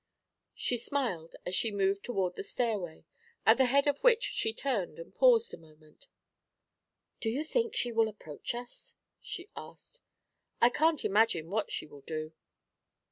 She smiled as she moved toward the stairway, at the head of which she turned and paused a moment. 'Do you think she will approach us?' she asked. 'I can't imagine what she will do.'